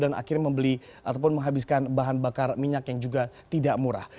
dan akhirnya membeli ataupun menghabiskan bahan bakar minyak yang juga tidak murah